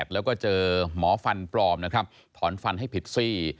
แล้วก็เจอหมอฟันปลอมนะครับถอนฟันให้ผิดซี่